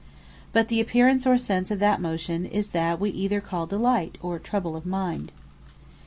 But the apparence, or sense of that motion, is that wee either call DELIGHT, or TROUBLE OF MIND.